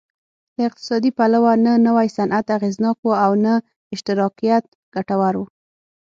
له اقتصادي پلوه نه نوی صنعت اغېزناک و او نه اشتراکیت ګټور و